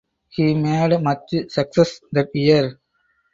He made much success that year.